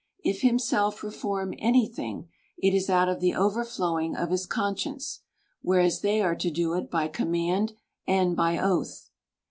If himself reform any thing, it is out of the overflowing of his conscience ; whereas they are to do it by com mand, and by oath.